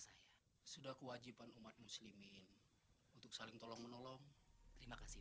saya sudah kewajiban umat muslimin untuk saling tolong menolong terima kasih